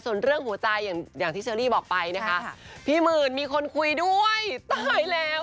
ส่วนเรื่องหัวใจอย่างที่เชอรี่บอกไปนะคะพี่หมื่นมีคนคุยด้วยตายแล้ว